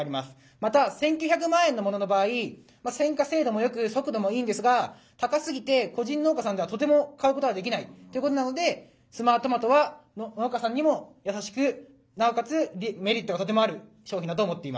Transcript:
また１，９００万円のものの場合選果精度もよく速度もいいんですが高すぎて個人農家さんではとても買うことができないということなので「スマートマト」は農家さんにも優しくなおかつメリットがとてもある商品だと思っています。